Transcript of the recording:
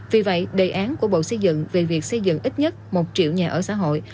vì vậy đề án của bộ xây dựng về việc xây dựng ít nhất một triệu nhà ở xã hội